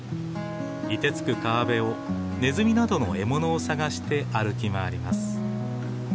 いてつく川辺をネズミなどの獲物を探して歩き回ります。